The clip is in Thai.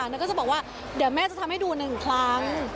แล้วก็จะบอกว่าเดี๋ยวแม่จะทำให้ดู๑ครั้ง